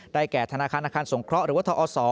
แก่ธนาคารอาคารสงเคราะห์หรือว่าทอศ